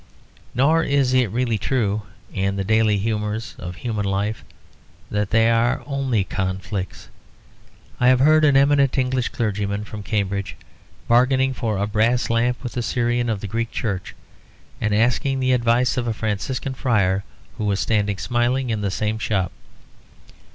Nor is it really true, in the daily humours of human life, that they are only conflicts. I have heard an eminent English clergyman from Cambridge bargaining for a brass lamp with a Syrian of the Greek Church, and asking the advice of a Franciscan friar who was standing smiling in the same shop.